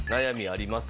あります。